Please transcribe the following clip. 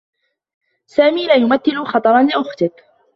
سامي لا يمثّل خطرا لأختك.